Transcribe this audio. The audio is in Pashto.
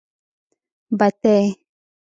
بتۍ.